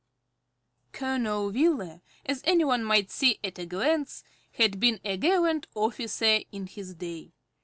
Colonel Wheeler, as any one might see at a glance, had been a gallant officer in his day.